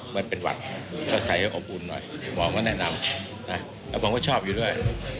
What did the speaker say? มันเป็นหวัดเค้าใส่ให้อบอุ้นหน่อยหมวกก็แนะนำหมวกก็ชอบอยู่ด้วย